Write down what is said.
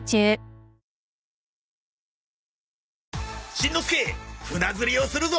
しんのすけ船釣りをするぞ！